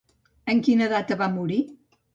En quina data va morir?